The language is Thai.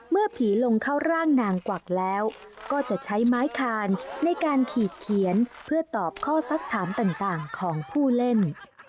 เมื่อผีลงเข้าร่างนางกวักแล้วก็จะใช้ไม้คานในการขีดเขียนเพื่อตอบข้อสักถามต่างของผู้เล่น